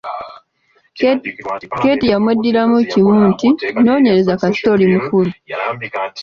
Keeti yamweddiramu kimu nti, “Nonyereza kasita oli mukulu”.